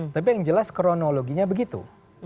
tapi yang jelas kronologinya begitu